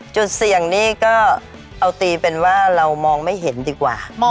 จุดเสี่ยงนี่ก็เอาตีเป็นว่าเรามองไม่เห็นดีกว่า